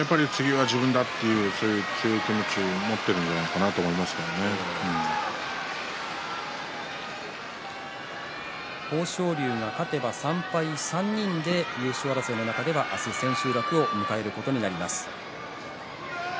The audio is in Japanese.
やっぱり次は自分だという強い気持ちを持ってるんじゃ豊昇龍が勝てば３敗３人で明日、千秋楽を迎えることになります。